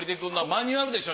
マニュアルでしょ？